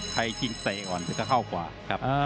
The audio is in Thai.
ใครทิ้งเตะก่อนก็เข้ากว่าครับ